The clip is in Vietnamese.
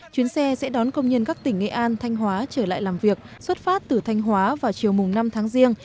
chuyến xe sẽ đón công nhân các tỉnh nghệ an thanh hóa trở lại làm việc xuất phát từ thanh hóa vào chiều năm tháng riêng